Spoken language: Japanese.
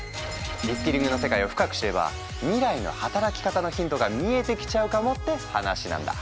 リスキリングの世界を深く知れば未来の働き方のヒントが見えてきちゃうかもって話なんだ。